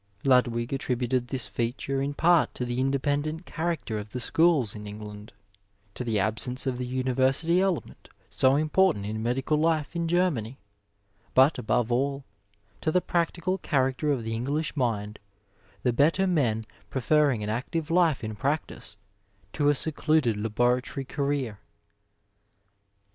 Ludwig attributed this feature in part to the independent character of the schools in Eng land, to the absence of the University element so important in medical life in Germany, but, above all, to the practical character of the English mind, the better men preferring an active life in practice to a secluded laboratory career.